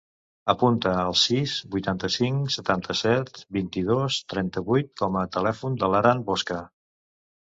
Apunta el sis, vuitanta-cinc, setanta-set, vint-i-dos, trenta-vuit com a telèfon de l'Aran Bosca.